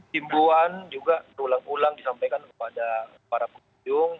timbuhan juga ulang ulang disampaikan kepada para penunjung